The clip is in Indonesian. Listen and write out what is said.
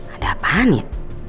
ada apaan ya